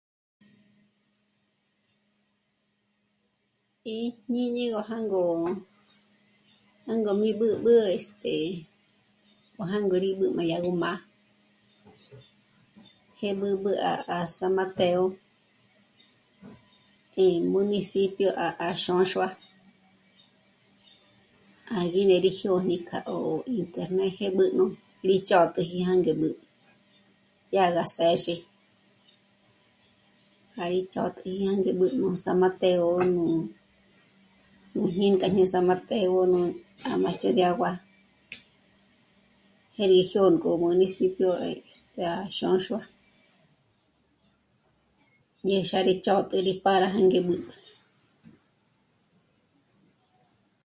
Í jñíñi gó jângo, jângo mí b'ǚb'ü este... ó jângo rí b'ǚb'ü má yá go má, jé mbǚb'ü à San Mateo, e municipio à Xônxua à ná jyêri jyôn'i k'a o 'ínternéje b'ǜn'ü rí ch'ôt'iji jângé mb'ǚb'ü, dyà gá së̌zhi, já rí ch'ôt'iji jânge b'ǚb'ü à San Mateo, nú, nú ñînk'a nú à San Mateo o nú à Macho de Agua, jé rí jyônk'o municipio este à Xônxua. Ñé xá'a rí ch'ôt'iji para jé ngá b'ǚb'ü